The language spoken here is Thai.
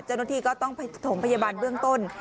เจ้าหน้าที่ก็ต้องถมพยาบาลเบื้องต้น